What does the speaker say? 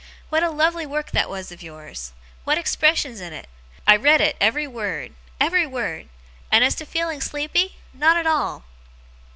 'What a lovely work that was of yours! What expressions in it! I read it every word every word. And as to feeling sleepy! Not at all!